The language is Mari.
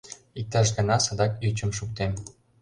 Иктаж гана садак ӱчым шуктем.